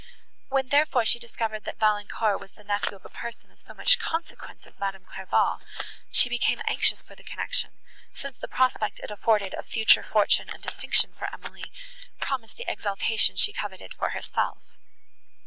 When, therefore, she discovered that Valancourt was the nephew of a person of so much consequence as Madame Clairval, she became anxious for the connection, since the prospect it afforded of future fortune and distinction for Emily, promised the exaltation she coveted for herself.